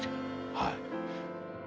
はい。